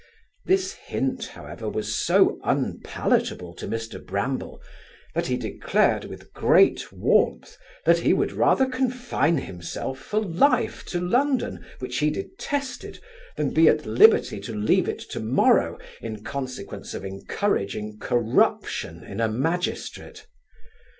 This hint, however, was so unpalatable to Mr Bramble, that he declared, with great warmth, he would rather confine himself for life to London, which he detested, than be at liberty to leave it tomorrow, in consequence of encouraging corruption in a magistrate.